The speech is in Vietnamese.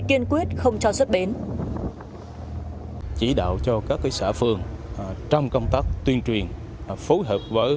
kiên quyết không cho xuất bến chỉ đạo cho các xã phường trong công tác tuyên truyền phối hợp với